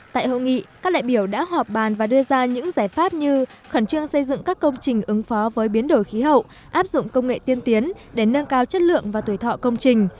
tại hội nghị các đại biểu đã họp bàn và đưa ra những giải pháp như khẩn trương xây dựng các công trình ứng phó với biến đổi khí hậu áp dụng công nghệ tiên tiến để nâng cao chất lượng và tuổi thọ công trình